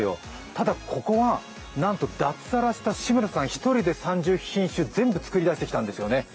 ただここはなんと脱サラした志村さん１人で３０品種全部作り出してきたんですよね。